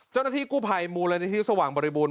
เจ้าหน้าที่กู้ภัยมูลนนะทิสวังบริวุญ